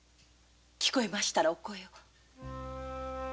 聞こえましたらお声を。